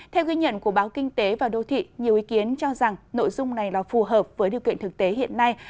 theo ghi nhận của báo kinh tế và đô thị nhiều ý kiến cho rằng nội dung này là phù hợp với điều kiện thực tế hiện nay